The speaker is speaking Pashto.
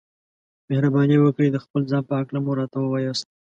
مهرباني وکړئ د خپل ځان په هکله مو راته ووياست.